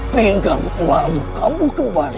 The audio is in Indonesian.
pinggang uamuk kamu kembali